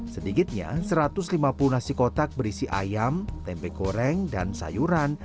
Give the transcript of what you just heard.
sedikitnya satu ratus lima puluh nasi kotak berisi ayam tempe goreng dan sayuran